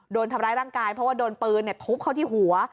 โดนทำร้ายร่างกายเพราะว่าโดนปืนทุบเข้าที่หัว